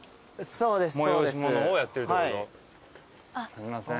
すいません